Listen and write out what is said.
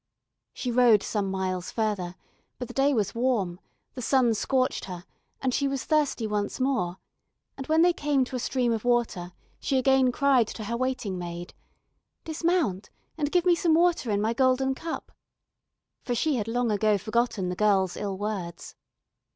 She rode some miles further, but the day was warm, the sun scorched her, and she was thirsty once more, and when they came to a stream of water, she again cried to her waiting maid: "Dismount, and give me some water in my golden cup," for she had long ago forgotten the girl's ill words.